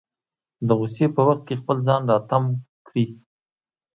د غوسې په وخت کې خپل ځان راتم کړي.